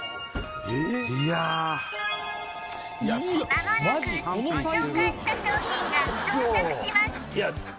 いやあまもなくご紹介した商品が到着します